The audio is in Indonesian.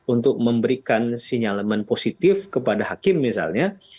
untuk memberikan sinyalemen positif kepada hakim misalnya